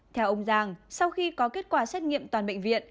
theo ông giang sau khi có kết quả xét nghiệm toàn bệnh viện